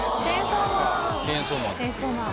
・『チェンソーマン』